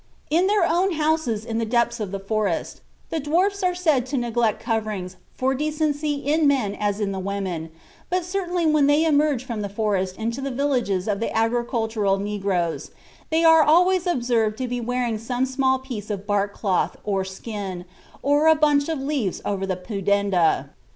"In their own houses in the depths of the forest the Dwarfs are said to neglect coverings for decency in the men as in the women, but certainly when they emerge from the forest into the villages of the agricultural Negroes, they are always observed to be wearing some small piece of bark cloth or skin, or a bunch of leaves over the pudenda.